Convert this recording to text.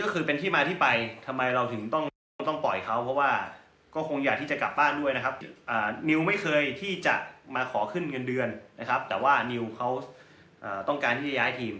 ก็จะขอขึ้นเงินเดือนนะครับแต่ว่านิวเขาต้องการที่จะย้ายทีม